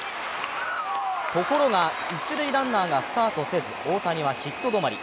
ところが１塁ランナーがスタートせず大谷はヒット止まり。